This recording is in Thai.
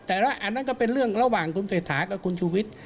แต่ว่าอันนั้นก็เป็นเรื่องระหว่างคุณเศรษฐากับคุณชูวิทย์